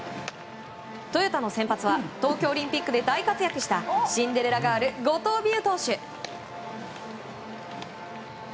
トヨタの先発は東京オリンピックで大活躍したシンデレラガール後藤希友投手。